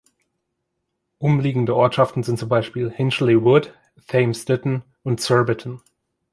Umliegende Ortschaften sind zum Beispiel Hinchley Wood, Thames Ditton und Surbiton.